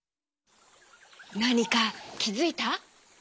なにかきづいた？